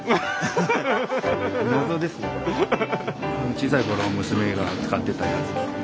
小さいころ娘が使ってたやつなので。